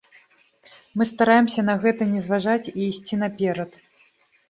Мы стараемся на гэта не зважаць і ісці наперад.